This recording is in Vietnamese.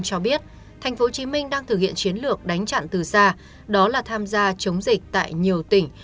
cho biết thành phố hồ chí minh đang thực hiện chiến lược đánh chặn từ xa đó là tham gia chống dịch tại nhiều tỉnh